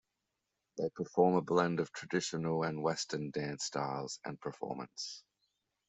They perform a blend of traditional and Western dance styles and performance.